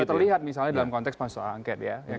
sudah terlihat misalnya dalam konteks pasal angket ya